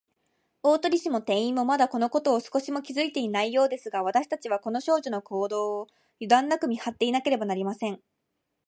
大鳥氏も店員も、まだ、このことを少しも気づいていないようですが、わたしたちは、この少女の行動を、ゆだんなく見はっていなければなりません。